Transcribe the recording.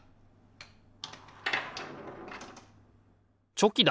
チョキだ！